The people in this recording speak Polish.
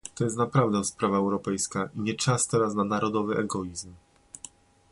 To jest naprawdę sprawa europejska, i nie czas teraz na narodowy egoizm